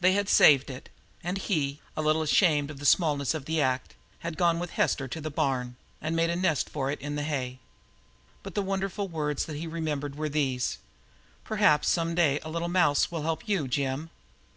They had saved it, and he, a little ashamed at the smallness of the act, had gone with Hester to the barn and made a nest for it in the hay. But the wonderful words that he remembered were these: "Perhaps some day a little mouse will help you, Jim!"